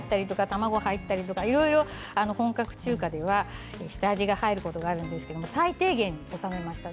もっとたくさん卵白とか卵とかいろいろ本格中華では下味が入ることがあるんですけれど最低限に収めました。